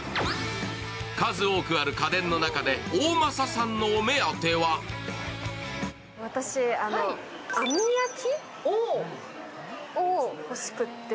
数多くある家電の中で大政さんのお目当ては私、網焼きを欲しくて。